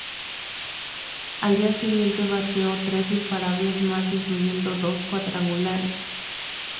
Al día siguiente bateó tres imparables más incluyendo dos cuadrangulares.